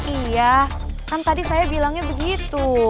iya kan tadi saya bilangnya begitu